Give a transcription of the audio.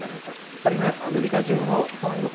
やっぱりアメリカじゅうのファンの方